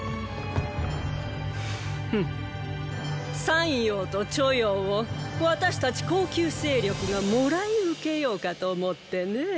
“山陽”と“著雍”を私たち後宮勢力がもらい受けようかと思ってねェ。